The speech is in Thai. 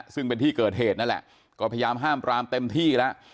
ซึ่งเป็นที่เกิดเหตุนั่นแหละก็พยายามห้ามปรามเต็มที่แล้ว